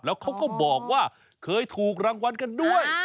แล้วเขาก็บอกว่าเคยถูกรางวัลกันด้วย